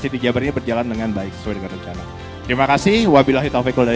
city jabar ini berjalan dengan baik sesuai dengan rencana terima kasih wa bilahi taufiq wa li l ayhi